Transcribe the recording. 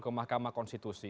ke mahkamah konstitusi